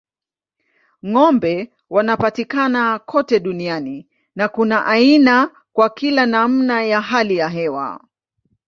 Ng'ombe wanapatikana kote duniani na kuna aina kwa kila namna ya hali ya hewa.